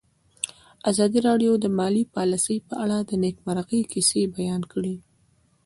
ازادي راډیو د مالي پالیسي په اړه د نېکمرغۍ کیسې بیان کړې.